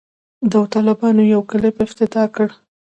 داوطلبانو یو کلب افتتاح کړ.